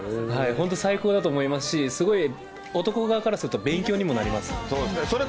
本当、最高だと思いますし、すごい男側からすると勉強にもなそうそう。